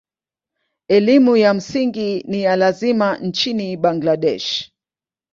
Elimu ya msingi ni ya lazima nchini Bangladesh.